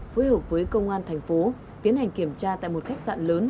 phối hợp với công an thành phố tiến hành kiểm tra tại một khách sạn lớn